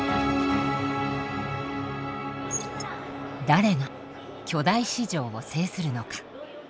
誰が巨大市場を制するのか？